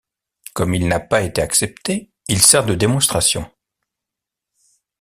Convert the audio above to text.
Comme il n'a pas été accepté, il sert de démonstration.